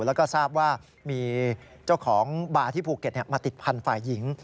แล้วก็ทราบว่ามีเจ้าของบาร์ที่ภูเก็ตมาติดพันธุ์ฝ่ายหญิง